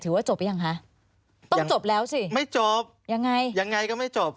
ว่าจบหรือยังคะต้องจบแล้วสิไม่จบยังไงยังไงก็ไม่จบ